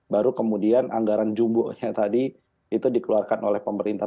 baru kemudian anggaran jumbo nya tadi itu dikeluarkan oleh pemerintah